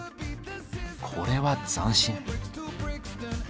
これは斬新。